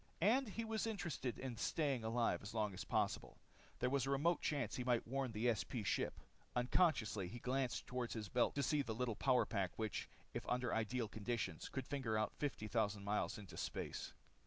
And he was interested in staying alive as long as possible. There was a remote chance he might warn the SP ship. Unconsciously, he glanced toward his belt to see the little power pack which, if under ideal conditions, could finger out fifty thousand miles into space.